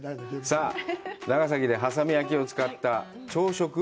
さあ、長崎で波佐見焼を使った朝食？